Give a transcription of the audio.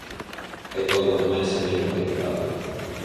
E todo o demais é vello e caducado.